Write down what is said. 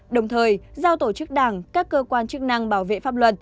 đồng thời giao tổ chức đảng các cơ quan chức năng bảo vệ pháp luật